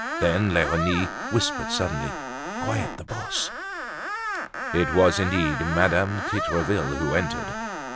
Then Leonie whispered suddenly: "Quiet. The boss!" It was indeed Madame Titreville who entered.